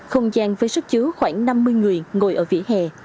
không gian với sức chứa khoảng năm mươi người ngồi ở vỉa hè